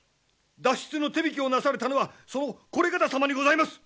脱出の手引きをなされたのはその惟方様にございます！